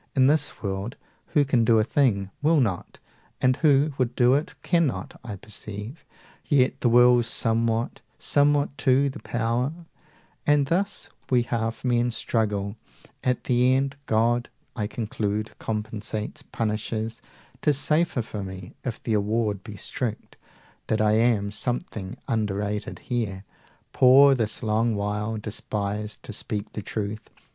In this world, who can do a thing, will not; And who would do it, cannot, I perceive: Yet the will's somewhat somewhat, too, the power And thus we half men struggle. At the end, 140 God, I conclude, compensates, punishes. 'Tis safer for me, if the award be strict, That I am something underrated here, Poor this long while, despised, to speak the truth.